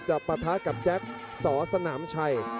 ปะทะกับแจ็คสอสนามชัย